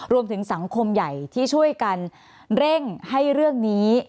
รวมถึงสังคมใหญ่ที่ช่วยกันเร่งให้เรื่องนี้